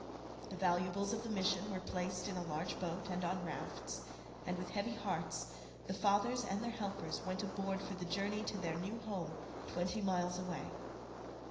The valuables of the mission were placed in a large boat and on rafts; and, with heavy hearts, the fathers and their helpers went aboard for the journey to their new home twenty miles away.